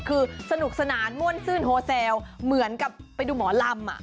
คือสนุกสนานม่วนซื่นโฮแซลเหมือนกับไปดูหมอลำ